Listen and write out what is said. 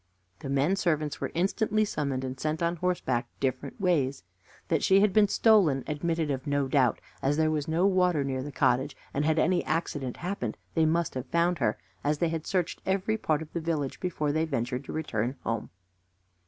The men servants were instantly summoned and sent on horseback different ways. That she had been stolen admitted of no doubt, as there was no water near the cottage; and had any accident happened, they must have found her, as they had searched every part of the village before they ventured to return home.